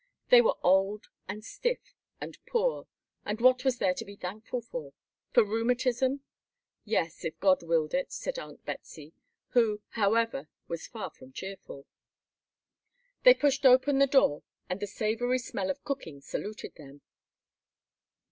They were old and stiff and poor, and what was there to be thankful for? For the rheumatism? Yes, if God willed it, said Aunt Betsey, who, however, was far from cheerful. They pushed open the door, and the savory smell of cooking saluted them.